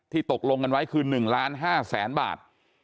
ตกลงกันไว้คือ๑๕๐๐๐๐บาท